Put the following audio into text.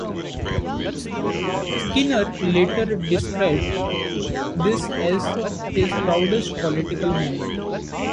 Skinner later described this as his proudest political movement.